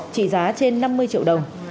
trị giá trên năm mươi triệu đồng